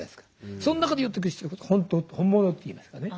そん中で寄ってくる人ほど本物っていいますかね。